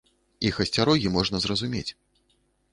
Іх асцярогі можна зразумець.